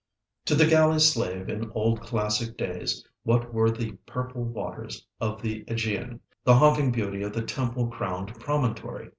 To the galley slave in old classic days what were the purple waters of the Egean—the haunting beauty of the temple crowned promontory?